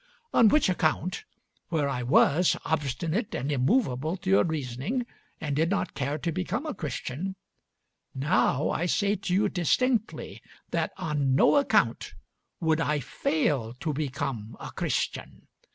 On which account, where I was obstinate and immovable to your reasoning and did not care to become a Christian, now I say to you distinctly that on no account would I fail to become a Christian.